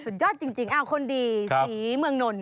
สุดยอดจริงคนดีศรีเมืองนนท